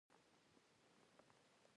ته سبا راځې؟ دا استفهامي جمله ده.